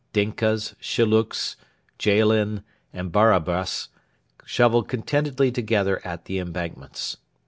Dinkas, Shillooks, Jaalin, and Barabras shovelled contentedly together at the embankments.